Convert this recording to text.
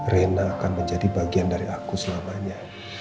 rena akan menjadi bagian dari aku selamanya